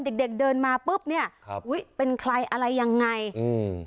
เด็กเด็กเดินมาปุ๊บเนี้ยครับอุ้ยเป็นใครอะไรยังไงอืม